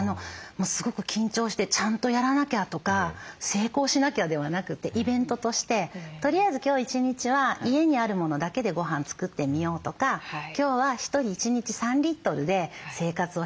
すごく緊張してちゃんとやらなきゃとか成功しなきゃではなくてイベントとしてとりあえず今日一日は家にあるものだけでごはん作ってみようとか今日は１人１日３リットルで生活をしてみる。